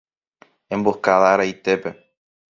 Emboscada araitépe.